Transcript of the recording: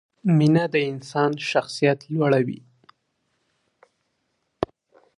مینه د انسان شخصیت لوړوي.